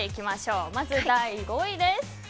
まず、第５位です。